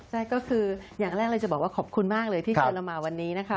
ใช่ก็คืออย่างแรกเลยจะบอกว่าขอบคุณมากเลยที่เชิญเรามาวันนี้นะคะ